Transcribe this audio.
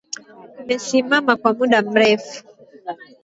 Umesimama kwa muda mrefu.